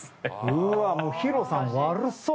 うわもうＨＩＲＯさん悪そう！